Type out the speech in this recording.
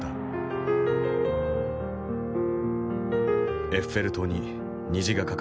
エッフェル塔に虹が架かった。